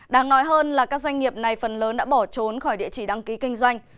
đáng nói hơn là các doanh nghiệp này phần lớn đã bỏ trốn khỏi địa chỉ đăng ký kinh doanh